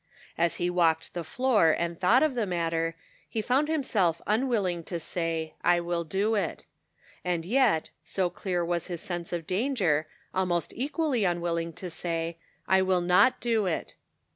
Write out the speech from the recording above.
As he walked 180 The Pocket Measure. the floor and thought of the matter, he found himself unwilling to say " I will do it." And yet, so clear was his sense of danger, almost equally unwilling to say, " I will not do it."